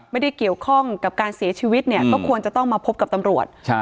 ไม่ได้เกี่ยวข้องกับการเสียชีวิตเนี่ยก็ควรจะต้องมาพบกับตำรวจ